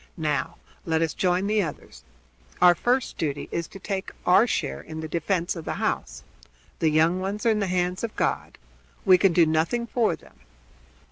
Now let us join the others. Our first duty is to take our share in the defense of the house. The young ones are in the hands of God. We can do nothing for them."